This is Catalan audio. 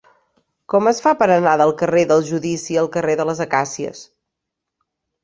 Com es fa per anar del carrer del Judici al carrer de les Acàcies?